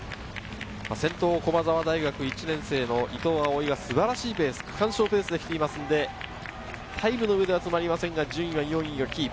先頭、駒澤大学１年生の伊藤蒼唯が素晴らしいペース、区間賞ペースで来ていますのでタイムの上では詰まりませんが、順位をキープ。